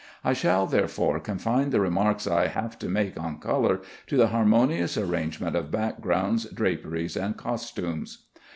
I shall therefore confine the remarks I have to make on color to the harmonious arrangement of backgrounds, draperies, and costumes.